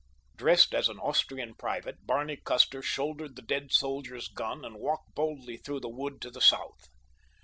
Dressed as an Austrian private, Barney Custer shouldered the dead soldier's gun and walked boldly through the wood to the south.